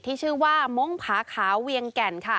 ที่ชื่อว่างภาขาวเวียงแก่น